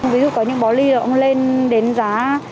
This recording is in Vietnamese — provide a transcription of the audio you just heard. ví dụ có những bó ly nó cũng lên đến giá